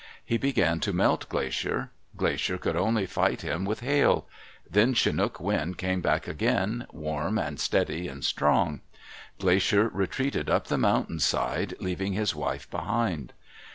He began to melt Glacier. Glacier could only fight him with hail. Then Chinook Wind came back again, warm and steady and strong. Glacier retreated up the mountain side, leaving his wife behind.